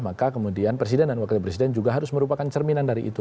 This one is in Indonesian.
maka kemudian presiden dan wakil presiden juga harus merupakan cerminan dari itu